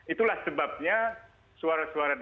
itulah sebabnya suara suara